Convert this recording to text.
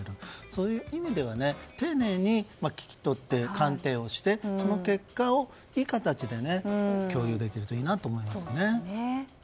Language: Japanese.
そういう意味では丁寧に聞き取って鑑定して、その結果をいい形で共有できるといいですね。